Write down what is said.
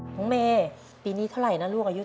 มองเมปีนี้อายุเท่าไรฯลูก